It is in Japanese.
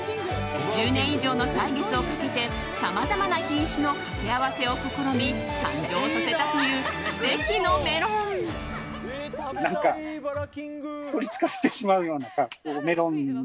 １０年以上の歳月をかけてさまざまな品種の掛け合わせを試み誕生させたという奇跡のメロン。ということでイバラ